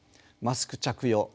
マスク着用